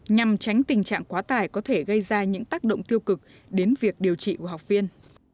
nhằm tránh tình trạng quá tải có thể gây ra những tác động tiêu cực đến việc điều trị của học viên